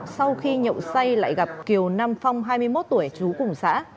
sau khi nhậu say lại gặp kiều nam phong hai mươi một tuổi trú cùng xã